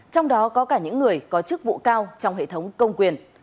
trong đó có cả những người có chức vụ cao trong hệ thống công quyền